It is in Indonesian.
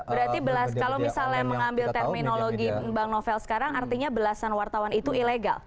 berarti kalau misalnya mengambil terminologi bang novel sekarang artinya belasan wartawan itu ilegal